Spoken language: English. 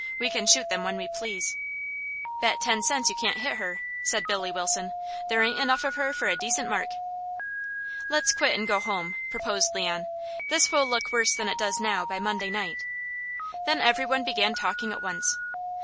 "We can shoot them when we please." "Bet ten cents you can't hit her," said Billy Wilson. "There ain't enough of her for a decent mark." "Let's quit and go home," proposed Leon. "This will look worse than it does now by Monday night." Then every one began talking at once.